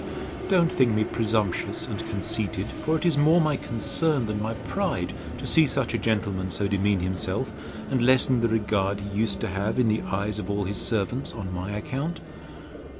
Don't think me presumptuous and conceited; for it is more my concern than my pride, to see such a gentleman so demean himself, and lessen the regard he used to have in the eyes of all his servants, on my account.